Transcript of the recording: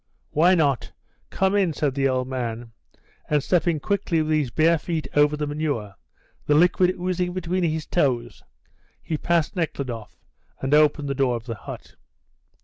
"Why not? Come in," said the old man, and stepping quickly with his bare feet over the manure, the liquid oozing between his toes, he passed Nekhludoff and opened the door of the hut.